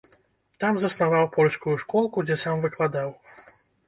Там заснаваў польскую школку, дзе сам выкладаў.